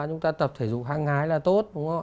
chúng ta tập thể dục hăng hái là tốt